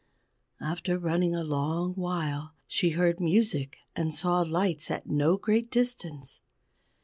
After running a long while, she heard music and saw lights at no great distance.